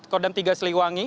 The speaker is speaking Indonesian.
kodam tiga seliwangi